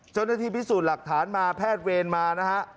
เจ้าหน้าที่พิสูจน์หลักฐานมาแพทย์เวรมานะฮะ